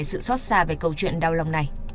sự xót xa về câu chuyện đau lòng này